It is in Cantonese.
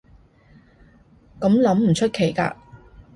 噉諗唔出奇㗎